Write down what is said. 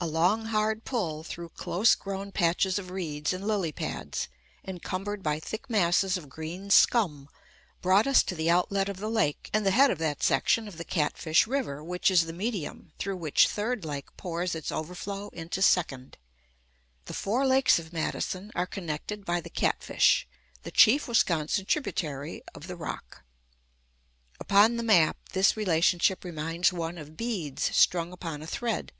A long, hard pull through close grown patches of reeds and lily pads, encumbered by thick masses of green scum, brought us to the outlet of the lake and the head of that section of the Catfish River which is the medium through which Third Lake pours its overflow into Second. The four lakes of Madison are connected by the Catfish, the chief Wisconsin tributary of the Rock. Upon the map this relationship reminds one of beads strung upon a thread.